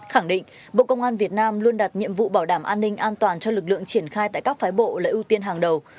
khẳng định bộ công an việt nam luôn đặt nhiệm vụ bảo đảm an ninh an toàn cho lực lượng triển khai tại các phái bộ là ưu tiên hàng đầu